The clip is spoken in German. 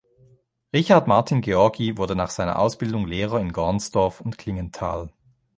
Richard Martin Georgi wurde nach seiner Ausbildung Lehrer in Gornsdorf und Klingenthal.